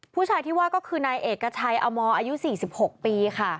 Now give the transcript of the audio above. ผู้ชายที่ว่าก็คือนายเอกชัยอมออายุ๔๖ปีค่ะ